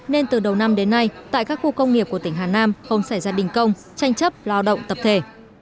nên từ đầu năm đến nay tại các khu công nghiệp của tỉnh hà nam không xảy ra đình công tranh chấp lao động tập thể